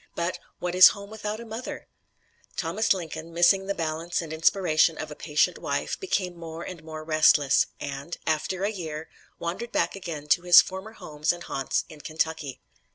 But "what is home without a mother?" Thomas Lincoln, missing the balance and inspiration of a patient wife, became more and more restless, and, after a year, wandered back again to his former homes and haunts in Kentucky.